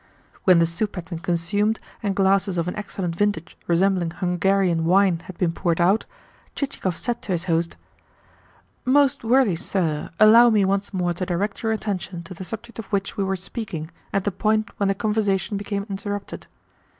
When the soup had been consumed, and glasses of an excellent vintage resembling Hungarian wine had been poured out, Chichikov said to his host: "Most worthy sir, allow me once more to direct your attention to the subject of which we were speaking at the point when the conversation became interrupted.